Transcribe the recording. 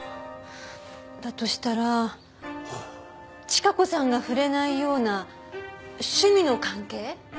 だとしたらチカ子さんが触れないような趣味の関係？